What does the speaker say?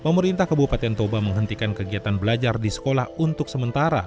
pemerintah kabupaten toba menghentikan kegiatan belajar di sekolah untuk sementara